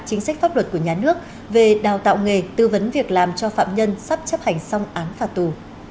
để tư vấn việc làm cho phạm nhân sắp chấp hành xong án phạt tù